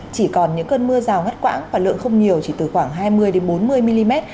chỉ còn những cơn mưa rào ngắt quãng và lượng không nhiều chỉ từ khoảng hai mươi bốn mươi mm